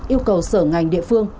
yêu cầu sở ngành địa phương